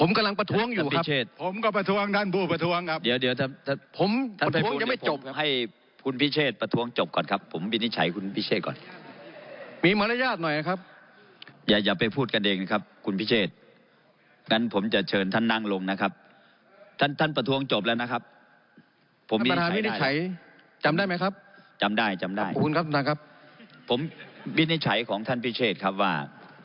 ครับจำได้จำได้ขอบคุณครับท่านครับผมวินิจฉัยของท่านพิเศษครับว่า